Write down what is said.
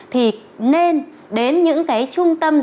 thì nên đến những trung tâm gia đình